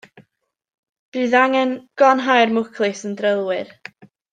Bydd angen glanhau'r mwclis yn drylwyr.